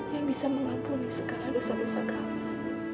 yang bisa mengampuni segala dosa dosa kami